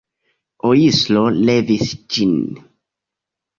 Ojstro levis ĝin.